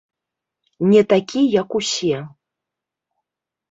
Не такі, як усе.